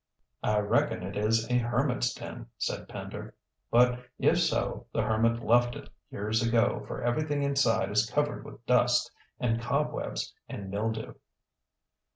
"I reckon it is a hermit's den," said Pender. "But if so the hermit left it years ago, for everything inside is covered with dust and cobwebs and mildew."